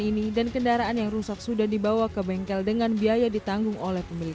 ini dan kendaraan yang rusak sudah dibawa ke bengkel dengan biaya ditanggung oleh pemilik